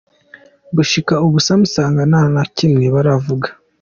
Gushika ubu Samsung nta na kimwe baravuga.